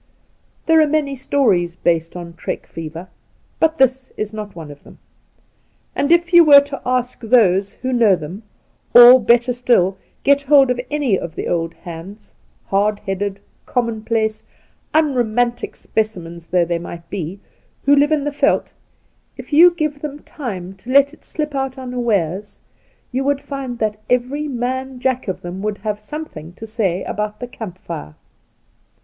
, There are many stories based on trek fever, but this is not one of them ; and if you were to ask those who know them, or, better still, get hold of any of the old hands, hard headed, commonplace, unromantic specimens though they might be, who have lived in the veld— if you gave them time to let it slip out unawares — you would find that every man jack ,of them woiild have something to say about the camp fire.